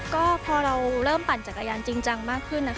ก็พอเราเริ่มปั่นจักรยานจริงจังมากขึ้นนะคะ